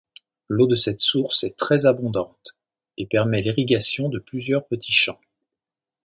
L’eau de cette source est très abondante et permet l’irrigation de plusieurs petits champs.